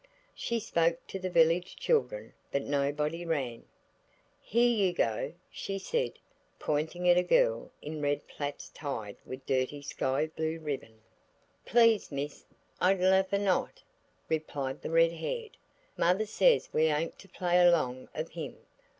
She spoke to the village children, but nobody ran. "Here, you go," she said, pointing at a girl in red plaits tied with dirty sky blue ribbon. "Please, miss, I'd leifer not," replied the red haired. "Mother says we ain't to play along of him."